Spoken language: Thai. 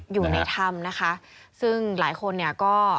อยู่ในถ้ำนะคะซึ่งหลายคนเนี่ยก็